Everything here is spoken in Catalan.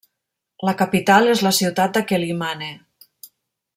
La capital és la ciutat de Quelimane.